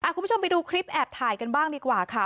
คุณผู้ชมไปดูคลิปแอบถ่ายกันบ้างดีกว่าค่ะ